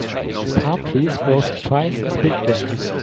Palm trees grows twice as big there.